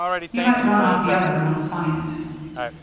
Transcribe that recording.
You might run off the other and I'll sign it."